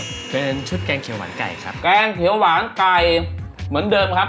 เป็นชุดแกงเขียวหวานไก่ครับแกงเขียวหวานไก่เหมือนเดิมครับ